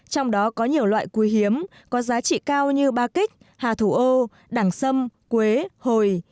trong đó có nhiều loại quý hiếm có giá trị cao như ba kích hà thủ ô đẳng sâm quế hồi